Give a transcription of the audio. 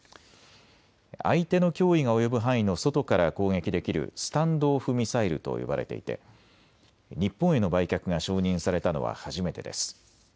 相手の脅威が及ぶ範囲の外から攻撃できるスタンド・オフ・ミサイルと呼ばれていて日本への売却が承認されたのは初めてです。